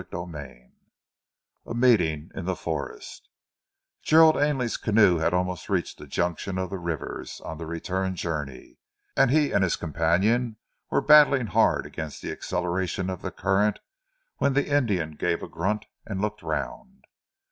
CHAPTER VIII A MEETING IN THE FOREST Gerald Ainley's canoe had almost reached the junction of the rivers, on the return journey, and he and his companion were battling hard against the acceleration of the current, when the Indian gave a grunt and looked round.